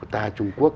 ta trung quốc